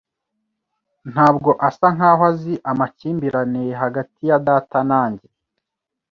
Ntabwo asa nkaho azi amakimbirane hagati ya data na njye.